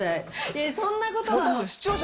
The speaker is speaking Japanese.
いえそんなことは。